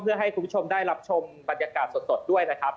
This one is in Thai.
เพื่อให้คุณผู้ชมได้รับชมบรรยากาศสดด้วยนะครับ